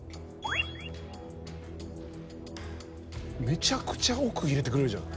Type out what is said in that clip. めちゃくちゃ奥入れてくれるじゃん。